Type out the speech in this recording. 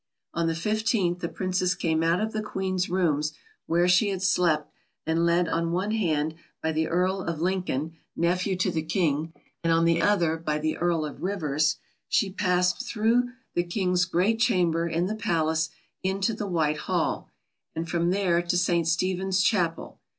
On the 15th the Princess came out of the Queen's rooms, where she had slept, and led on one hand by the Earl of Lincoln, nephew to the King, and on the other by the Earl of Rivers, she passed through the King's great chamber in the palace into the White Hall, and from there to St. Stephen's Chapel.